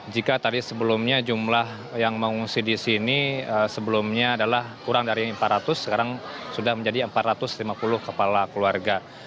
jika tadi sebelumnya jumlah yang mengungsi di sini sebelumnya adalah kurang dari empat ratus sekarang sudah menjadi empat ratus lima puluh kepala keluarga